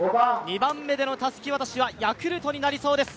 ２番目でのたすき渡しはヤクルトになりそうです。